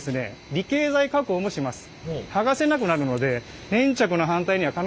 離型剤加工もします。